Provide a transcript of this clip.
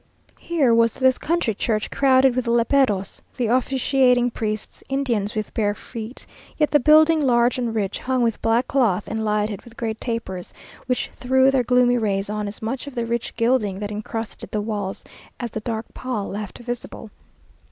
Here was this country church crowded with léperos, the officiating priests, Indians with bare feet; yet the building large and rich, hung with black cloth, and lighted with great tapers which threw their gloomy rays on as much of the rich gilding that encrusted the walls, as the dark pall left visible.